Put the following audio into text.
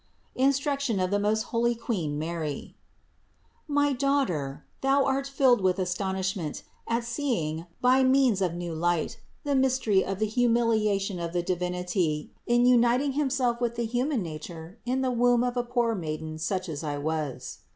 INSTRUCTION OF THE MOST HOLY QUEEN MARY. 141. My daughter, thou art filled with astonishment at seeing, by means of new light, the mystery of the humiliation of the Divinity in uniting Himself with the 114 CITY OF GOD human nature in the womb of a poor maiden such as I was.